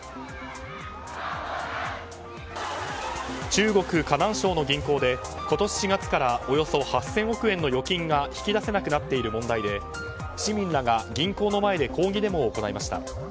中国・河南省の銀行で今年４月からおよそ８０００億円の預金が引き出せなくなっている問題で市民らが銀行の前で抗議デモを行いました。